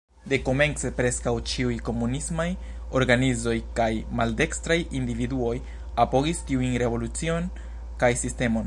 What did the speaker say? Dekomence preskaŭ ĉiuj komunismaj organizoj kaj maldekstraj individuoj apogis tiujn revolucion kaj sistemon.